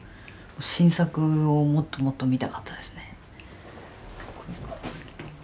新作をもっともっと見たかったですね。